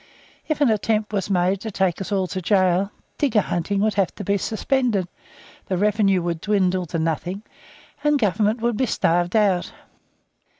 If an attempt was made to take us all to gaol, digger hunting would have to be suspended, the revenue would dwindle to nothing, and Government would be starved out.